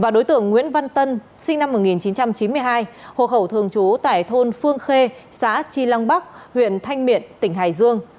đối tượng nguyễn văn tân sinh năm một nghìn chín trăm chín mươi hai hộ khẩu thường trú tại thôn phương khê xã tri lăng bắc huyện thanh miện tỉnh hải dương